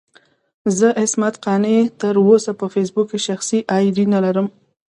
زه عصمت قانع تر اوسه په فېسبوک کې شخصي اې ډي نه لرم.